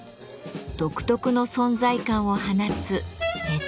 独特の存在感を放つ「根付」。